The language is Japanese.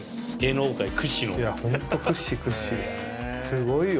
すごいよ！